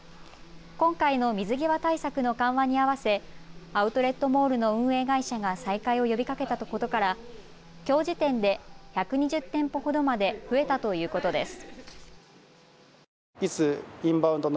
今回の水際対策の緩和に合わせアウトレットモールの運営会社が再開を呼びかけたことからきょう時点で１２０店舗ほどまで増えたということです。